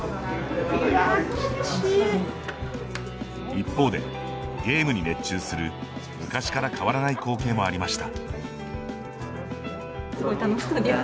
一方で、ゲームに熱中する昔から変わらない光景もありました。